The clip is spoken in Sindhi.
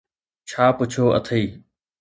ڇا پڇيو اٿئي؟